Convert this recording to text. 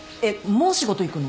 もう仕事行くの？